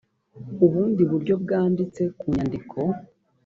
ubundi buryo bwanditse ku nyandiko